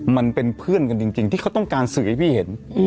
มันเป็นเพื่อนกันจริงที่เขาต้องการสื่อให้พี่เห็น